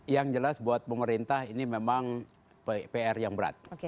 yang jelas buat pemerintah ini memang pr yang berat